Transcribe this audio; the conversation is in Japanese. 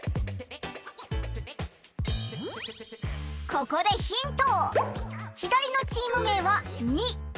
ここでヒント！